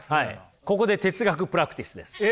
ここで哲学プラクティスです。